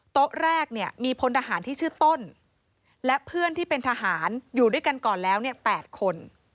โต๊ะแรกเนี่ยมีพลทหารที่ชื่อต้นและเพื่อนที่เป็นทหารอยู่ด้วยกันก่อนแล้ว๘คน